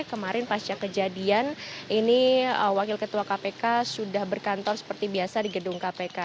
kemarin pasca kejadian ini wakil ketua kpk sudah berkantor seperti biasa di gedung kpk